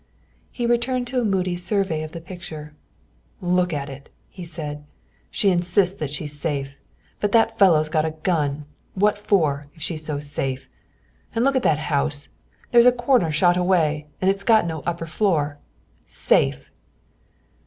He returned to a moody survey of the picture. "Look at it!" he said. "She insists that she's safe. But that fellow's got a gun. What for, if she's so safe? And look at that house! There's a corner shot away; and it's got no upper floor. Safe!"